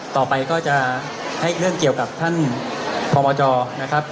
ต่อไปก็จะให้เรื่องเกี่ยวกับท่านพมจนะครับ